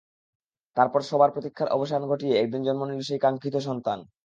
তারপর সবার প্রতীক্ষার অবসান ঘটিয়ে একদিন জন্ম নিল সেই কাঙ্ক্ষিত সন্তান।